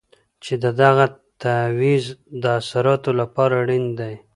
چې د دغه تعویض د اثراتو لپاره اړین دی.